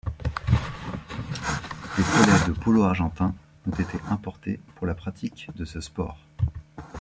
Des poneys de polo argentins ont été importés pour la pratique de ce sport.